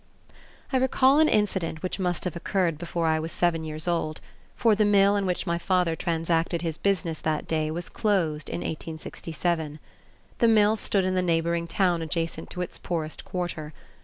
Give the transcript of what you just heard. I recall an incident which must have occurred before I was seven years old, for the mill in which my father transacted his business that day was closed in 1867. The mill stood in the neighboring town adjacent to its poorest quarter.